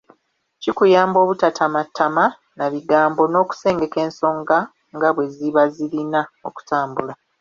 Kikuyamba obutatamattama na bigambo n’okusengeka ensonga nga bwe ziba zirina okutambula.